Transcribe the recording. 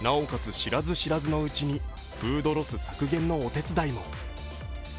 知らず知らずのうちにフードロス削減のお手伝いも。